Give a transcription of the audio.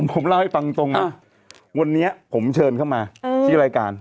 ผมเล่าให้ฟังตรงนะวันนี้ผมเชิญเข้ามาที่รายการ